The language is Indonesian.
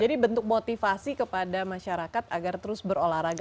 jadi bentuk motivasi kepada masyarakat agar terus berolahraga